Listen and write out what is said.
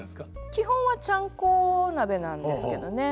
基本はちゃんこ鍋なんですけどね。